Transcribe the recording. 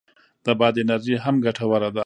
د باد انرژي هم ګټوره ده